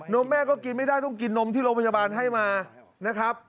มแม่ก็กินไม่ได้ต้องกินนมที่โรงพยาบาลให้มานะครับ